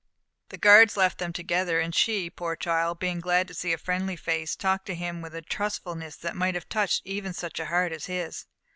The guards left them together, and she, poor child! being glad to see a friendly face, talked to him with a trustfulness that might have touched even such a heart as his.